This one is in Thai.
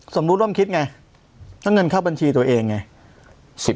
รู้ร่วมคิดไงถ้าเงินเข้าบัญชีตัวเองไง